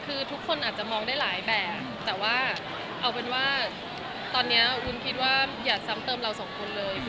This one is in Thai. คือทุกคนอาจจะมองได้หลายแบบแต่ว่าเอาเป็นว่าตอนนี้วุ้นคิดว่าอย่าซ้ำเติมเราสองคนเลย